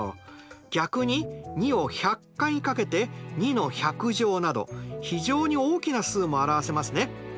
逆に２を１００回かけて２など非常に大きな数も表せますね。